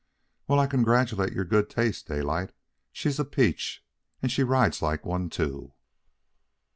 "Well, I congratulate your good taste, Daylight. She's a peach, and she rides like one, too."